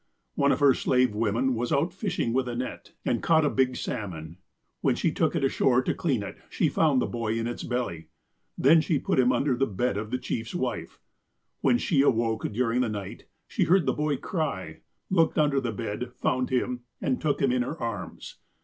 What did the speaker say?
One of her slave women was out fishing with a net, and caught a big salmon. When she took it ashore to clean it, she found the boy in its belly. Then she put him under the bed of the chief's wife. When she awoke, during the night, she heard the boy cry, looked under the bed, found him, and took him in her arms.